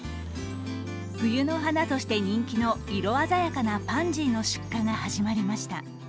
冬の花として人気の色鮮やかなパンジーの出荷が始まりました。